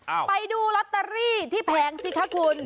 ไปดูลอตเตอรี่ที่แผงสิคะคุณ